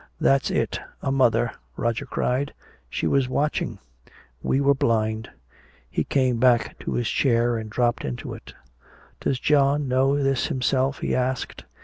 "That's it, a mother!" Roger cried. "She was watching! We were blind!" He came back to his chair and dropped into it. "Does John know this himself?" he asked.